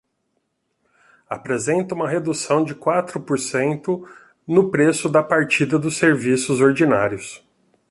Apresenta uma redução de quatro por cento no preço da partida dos serviços ordinários.